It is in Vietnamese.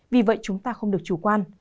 vì vậy chúng ta không được chủ quan